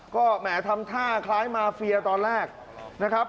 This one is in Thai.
ก็แหมทำท่าคล้ายมาเฟียตอนแรกนะครับ